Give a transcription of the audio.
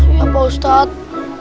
iya pak ustadz